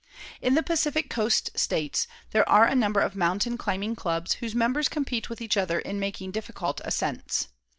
In the Pacific Coast States there are a number of mountain climbing clubs whose members compete with each other in making difficult ascents.